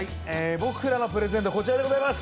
僕からのプレゼントはこちらでございます！